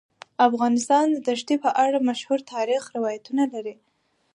افغانستان د ښتې په اړه مشهور تاریخی روایتونه لري.